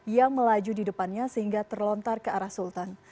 yang melaju di depannya sehingga terlontar ke arah sultan